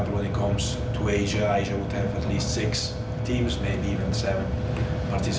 เพราะว่าฟุตบอลจะขึ้นใหม่